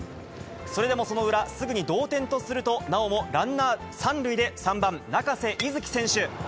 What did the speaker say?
それでもその裏、すぐに同点とすると、なおもランナー３塁で３番中瀬樹選手。